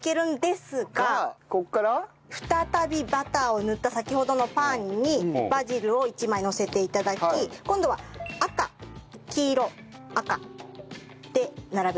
再びバターを塗った先ほどのパンにバジルを１枚のせて頂き今度は赤黄色赤で並べて頂きます。